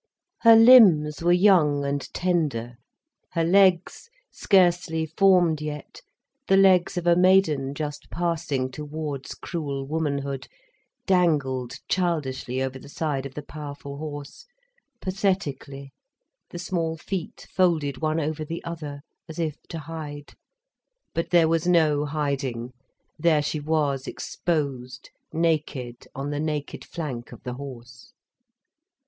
Her limbs were young and tender. Her legs, scarcely formed yet, the legs of a maiden just passing towards cruel womanhood, dangled childishly over the side of the powerful horse, pathetically, the small feet folded one over the other, as if to hide. But there was no hiding. There she was exposed naked on the naked flank of the horse.